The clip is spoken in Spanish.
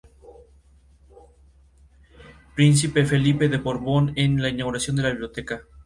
Príncipe Felipe de Borbón en la inauguración de la Biblioteca.